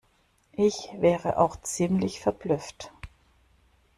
Ich wäre auch ziemlich verblüfft.